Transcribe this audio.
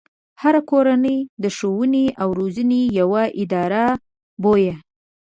هره کورنۍ د ښوونې او روزنې يوه اداره بويه.